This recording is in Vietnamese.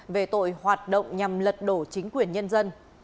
về tội hoạt động nhằm lật đổ chính quyền nhân dân